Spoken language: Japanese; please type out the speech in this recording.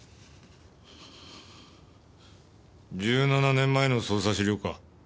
１７年前の捜査資料か？